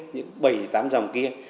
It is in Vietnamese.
những bảy tám dòng kia